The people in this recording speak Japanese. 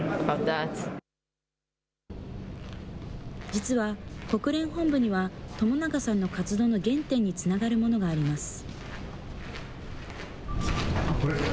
実は、国連本部には朝長さんの活動の原点につながるものがあります。